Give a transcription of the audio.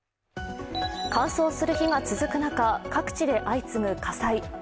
乾燥する日が続く中、各地で相次ぐ火災。